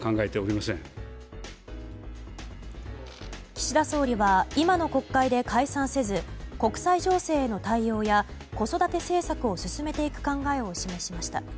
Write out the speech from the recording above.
岸田総理は今の国会で解散せず国際情勢への対応や子育て政策を進めていく考えを示しました。